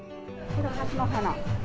これ、蓮の花。